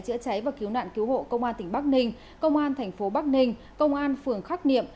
chữa cháy và cứu nạn cứu hộ công an tỉnh bắc ninh công an thành phố bắc ninh công an phường khắc niệm